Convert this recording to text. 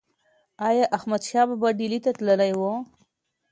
ایا احمدشاه بابا ډیلي ته تللی و؟